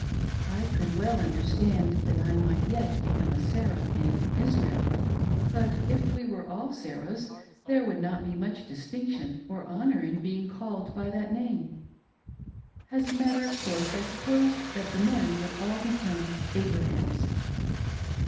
I could well understand that I might yet become a Sarah in Israel, but if we all were Sarahs, there would not be much distinction or honor in being called by that name. As a matter of course I supposed that the men would all become Abrahams.